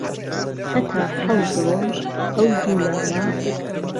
هەتا حەوت ڕۆژ ئەو دوو لاوە